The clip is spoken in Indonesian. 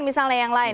misalnya yang lain